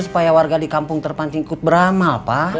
supaya warga di kampung terpantingkut beramal pak